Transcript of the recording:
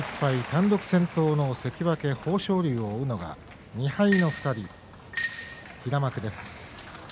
単独先頭の関脇豊昇龍を追うのは２敗の２人平幕です。